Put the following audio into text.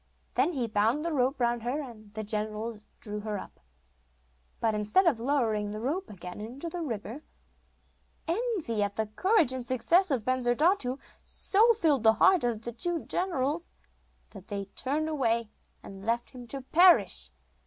Then he bound the rope round her, and the generals drew her up. But instead of lowering the rope again into the river, envy at the courage and success of Bensurdatu so filled the hearts of the two generals, that they turned away and left him to perish.